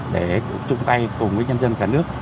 để chung tay cùng với nhân dân cả nước